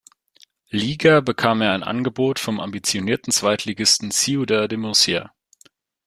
Liga bekam er ein Angebot vom ambitionierten Zweitligisten Ciudad de Murcia.